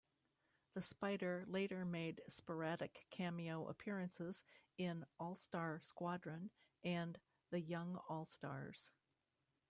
The Spider later made sporadic cameo appearances in "All-Star Squadron" and "The Young All-Stars".